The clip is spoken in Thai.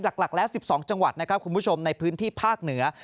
หลักแล้ว๑๒จังหวัดนะครับคุณผู้ชมในพื้นที่ภาคเหนือ